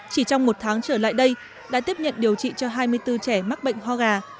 chỉ trong một tháng trở lại đây đã tiếp nhận điều trị cho hai mươi bốn trẻ mắc bệnh ho gà